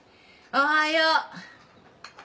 おはよう。